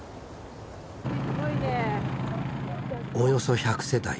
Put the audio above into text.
およそ１００世帯